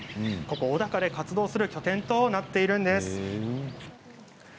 小高で活動する拠点となっているんです。